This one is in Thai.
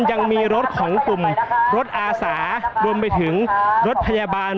ยังมีรถของกลุ่มรถอาสารวมไปถึงรถพยาบาล